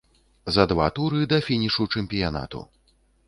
За два туры да фінішу чэмпіянату.